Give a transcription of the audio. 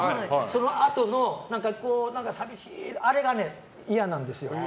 そのあとの寂しいあれが嫌なんですよ。